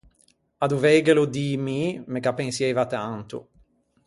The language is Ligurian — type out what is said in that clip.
À doveighelo dî mi, me gh’appensieiva tanto.